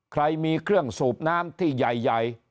ใครมีเครื่องสูบน้ำที่ใหญ่